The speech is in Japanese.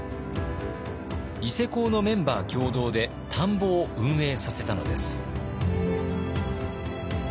伊勢講のメンバー共同で田んぼを運営させたのです。